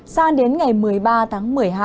sang đến ngày một mươi ba tháng một mươi hai